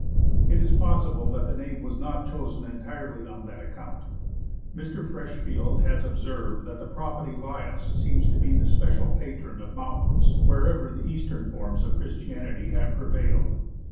It is possible that the name was not chosen entirely on that account. Mr. Freshfield has observed that the prophet Elias seems to be the special patron of mountains wherever .the Eastern forms of Chris tianity have prevailed.